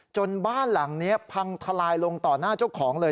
บ้านหลังนี้พังทลายลงต่อหน้าเจ้าของเลย